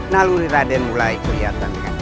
naluri raden mulai kelihatan